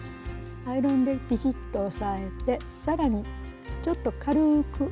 アイロンでピシッと押さえてさらにちょっと軽く。